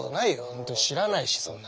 本当に知らないしそんな。